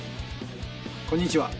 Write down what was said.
こんにちは。